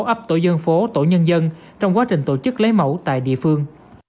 ấp tổ dân phố tổ nhân dân trong quá trình tổ chức lấy mẫu tại địa phương